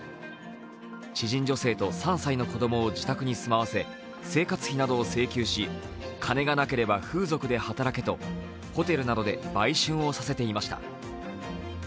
知人女性と３歳の子供を自宅に住まわせ、生活費などを請求し、金がなければ風俗で働けなどとホテルなどで売春をさせていました。